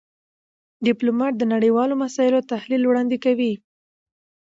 ډيپلومات د نړېوالو مسایلو تحلیل وړاندې کوي.